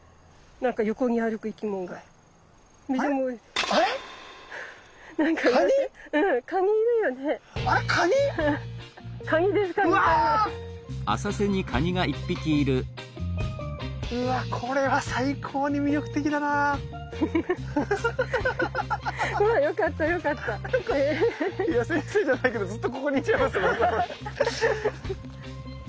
なんかいや先生じゃないけどずっとここにいちゃいますもん。